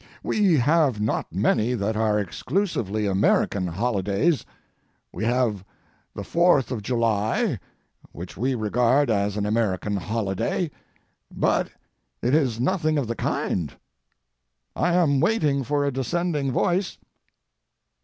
We have not many that are exclusively American holidays. We have the Fourth of July, which we regard as an American holiday, but it is nothing of the kind. I am waiting for a dissenting voice.